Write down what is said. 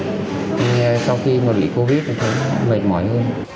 nhưng sau khi mà bị covid thì thấy mệt mỏi hơn